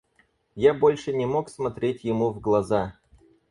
Я больше не мог смотреть ему в глаза.